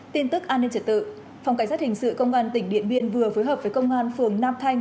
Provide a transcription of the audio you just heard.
tin tức an ninh trật tự phòng cảnh sát hình sự công an tỉnh điện biên vừa phối hợp với công an phường nam thanh